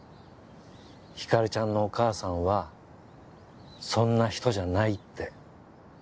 ひかりちゃんのお母さんはそんな人じゃないって。